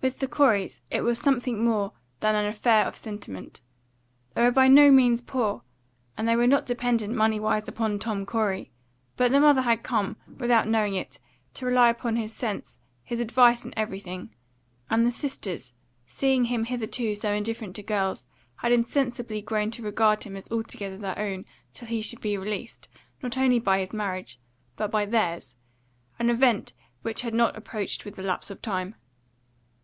With the Coreys it was something more than an affair of sentiment. They were by no means poor, and they were not dependent money wise upon Tom Corey; but the mother had come, without knowing it, to rely upon his sense, his advice in everything, and the sisters, seeing him hitherto so indifferent to girls, had insensibly grown to regard him as altogether their own till he should be released, not by his marriage, but by theirs, an event which had not approached with the lapse of time.